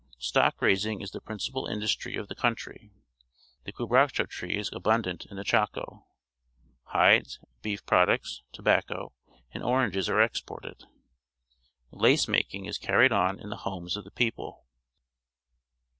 Stock raising is the principal industry of the country. The quebracho tree is abundant in the Chaco. Hides, beef products, tobacco, and oranges are exported. Lace making is carried on in the homes of the people.